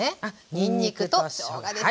にんにくとしょうがですね。